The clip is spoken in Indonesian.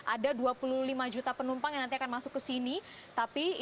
ada dua puluh lima juta penumpang yang nanti akan masuk ke sini